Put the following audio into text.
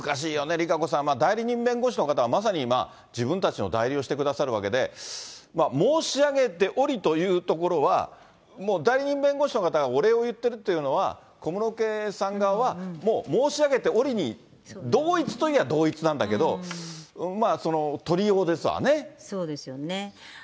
ＲＩＫＡＣＯさん、代理人弁護士の方はまさに自分たちの代理をしてくださるわけで、申し上げておりというところは、もう代理人弁護士の方がお礼を言ってるっていうのは、小室家さん側は、もう申し上げておりに同一といえば同一なんだけど、まあ、そうですよね。